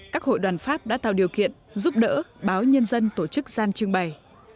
các hội đoàn pháp đã tạo điều kiện giúp đỡ báo nhân dân tổ chức gian trưng bày